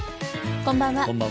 こんばんは。